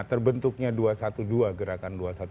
terbentuknya dua ratus dua belas gerakan